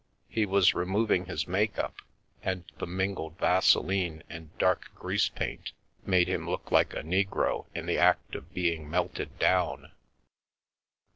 He was removing his make up, and the mingled vaseline and dark grease paint made him look like a negro in the act of being melted down.